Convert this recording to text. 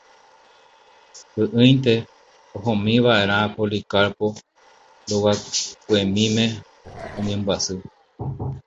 Py'ỹinte ohómiva'erã Policarpo rogakuemíme oñembyasy.